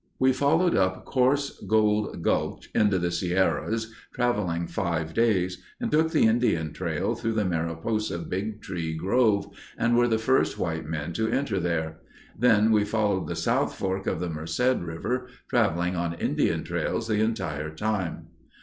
We followed up Coarse Gold Gulch into the Sierras, traveling five days, and took the Indian trail through the Mariposa Big Tree Grove, and were the first white men to enter there. Then we followed the South Fork of the Merced River, traveling on Indian trails the entire time.